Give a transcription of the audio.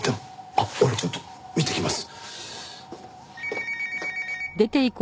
あっ俺ちょっと見てきます。